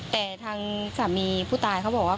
แต่ทางสามีผู้ตายเขาบอกว่า